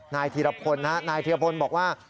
นายธีรพลนายธีรพลบอกว่า